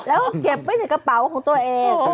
แล้วก็เก็บไว้ในกระเป๋าของตัวเอง